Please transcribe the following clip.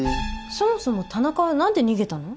そもそも田中は何で逃げたの？